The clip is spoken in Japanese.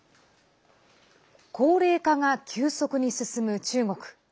高齢化が急速に進む中国。